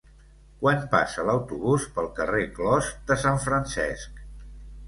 Quan passa l'autobús pel carrer Clos de Sant Francesc?